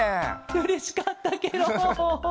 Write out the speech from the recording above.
うれしかったケロ。